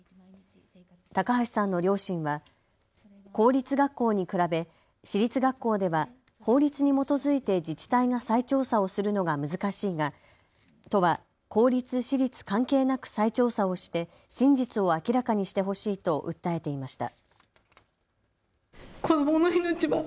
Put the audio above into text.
高橋さんの両親は公立学校に比べ私立学校では法律に基づいて自治体が再調査をするのが難しいが都は公立・私立関係なく再調査をして真実を明らかにしてほしいと訴えていました。